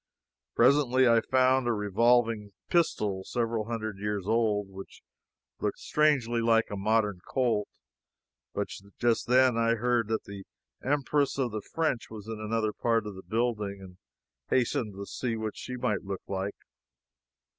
Presently I found a revolving pistol several hundred years old which looked strangely like a modern Colt, but just then I heard that the Empress of the French was in another part of the building, and hastened away to see what she might look like.